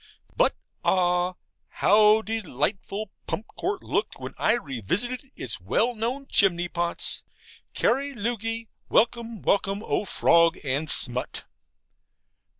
But ah, how delightful Pump Court looked when I revisited its well known chimney pots! CARI LUOGHI. Welcome, welcome, O fog and smut!